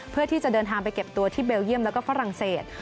เพื่อที่จะเดินทางไปเก็บตัวที่เบลเยี่ยมแล้วก็ฝรั่งเศส